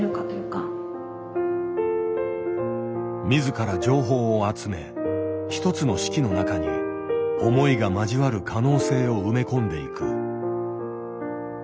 自ら情報を集め一つの式の中に思いが交わる可能性を埋め込んでいく。